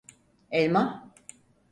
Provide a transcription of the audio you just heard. Elma?